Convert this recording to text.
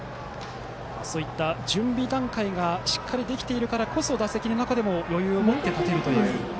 そういった準備段階がしっかりできているからこそ打席の中にも余裕を持って立てるという。